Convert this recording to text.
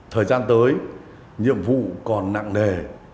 thời gian tới nhiệm vụ còn nặng nề